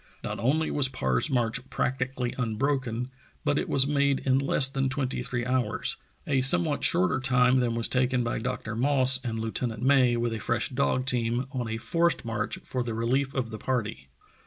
Not only was Parr's march practically unbroken, but it was made in less than twenty three hours, a somewhat shorter time than was taken by Dr. Moss Parr's Lonely March 267 and Lieutenant May with a fresh dog team "on a forced march" for the rehef of the party.